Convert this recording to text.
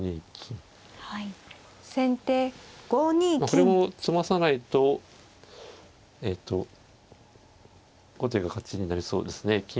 これも詰まさないとえと後手が勝ちになりそうですね。